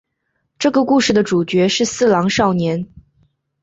这个故事的主角是四郎少年。